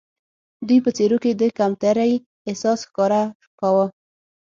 دوی په څېرو کې د کمترۍ احساس ښکاره کاوه.